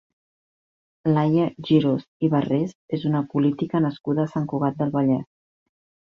Laia Girós i Barrés és una política nascuda a Sant Cugat del Vallès.